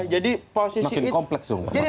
jadi sangat komplek